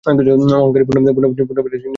অহঙ্কারের পূর্ণ বিনাশই নীতিশাস্ত্রের আদর্শ।